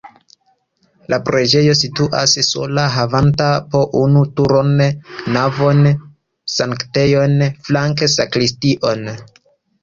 La preĝejo situas sola havanta po unu turon, navon, sanktejon, flanke sakristion.